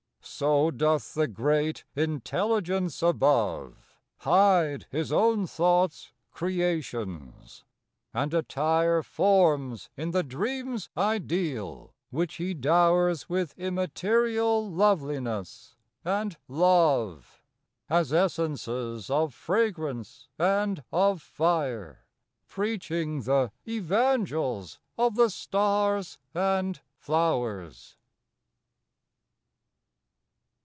So doth the great Intelligence above Hide His own thought's creations; and attire Forms in the dream's ideal, which He dowers With immaterial loveliness and love As essences of fragrance and of fire Preaching th' evangels of the stars and flowers.